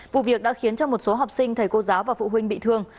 vụ việc đã khiến cho một số học sinh thầy cô giáo và phụ huynh bị thương